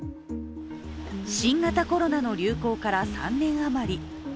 新型コロナの流行から３年余り。